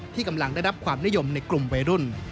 กำลังได้รับความนิยมในกลุ่มวัยรุ่น